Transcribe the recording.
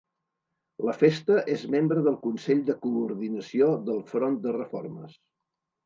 La festa és membre del Consell de coordinació del front de reformes.